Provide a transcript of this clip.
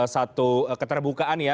satu keterbukaan ya